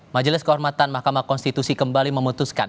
majelis kehormatan mahkamah konstitusi kembali memutuskan